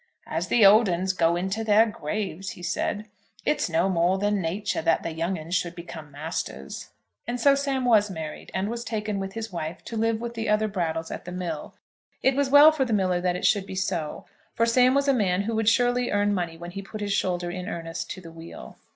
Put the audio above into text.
"As the old 'uns go into their graves," he said, "it's no more than nature that the young 'uns should become masters." And so Sam was married, and was taken, with his wife, to live with the other Brattles at the mill. It was well for the miller that it should be so, for Sam was a man who would surely earn money when he put his shoulder in earnest to the wheel.